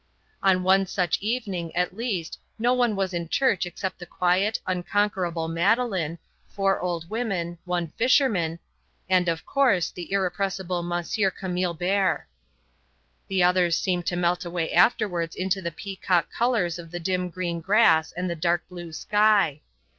On one such evening at least no one was in church except the quiet, unconquerable Madeleine, four old women, one fisherman, and, of course, the irrepressible M. Camille Bert. The others seemed to melt away afterwards into the peacock colours of the dim green grass and the dark blue sky.